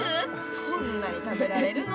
そんなに食べられるの？